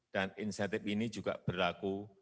dan insentif ini juga berlaku